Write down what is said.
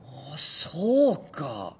そうか。